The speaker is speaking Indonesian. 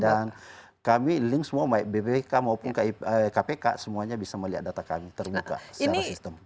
dan kami link semua bpk maupun kpk semuanya bisa melihat data kami terbuka secara sistem